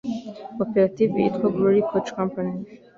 koperative yitwa Glory Coach Campany